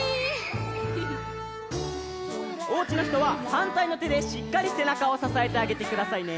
おうちのひとははんたいのてでしっかりせなかをささえてあげてくださいね。